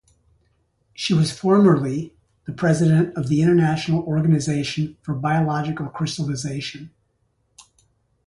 She was formerly the president of the International Organization for Biological Crystallization.